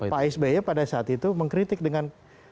pak sby pada saat itu mengkritik dengan